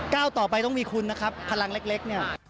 ก้าวต่อไปต้องมีคุณนะครับพลังเล็กเนี่ย